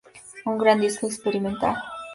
Un gran disco experimental.